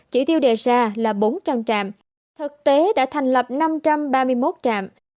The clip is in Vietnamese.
chỉ tiêu đề ra là bốn trăm linh trạm thực tế đã thành lập năm trăm ba mươi một trạm